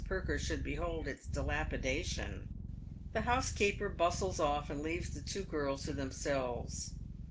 Perker should behold its dilapidation. The housekeeper bustles ofE, and leaves the two girls to them selves.